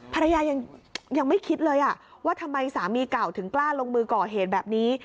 ภรรยายังไม่คิดเลยว่าทำไมสามีเก่าถึงกล้าลงมือก่อเหตุแบบนี้